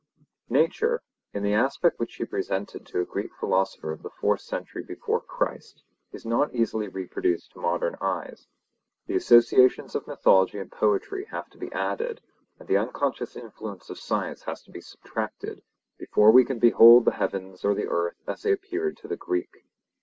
Nature in the aspect which she presented to a Greek philosopher of the fourth century before Christ is not easily reproduced to modern eyes. The associations of mythology and poetry have to be added, and the unconscious influence of science has to be subtracted, before we can behold the heavens or the earth as they appeared to the Greek.